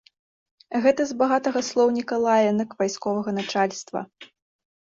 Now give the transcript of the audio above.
Гэта з багатага слоўніка лаянак вайсковага начальства.